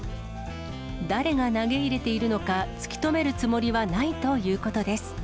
誰が投げ入れているのか、突き止めるつもりはないということです。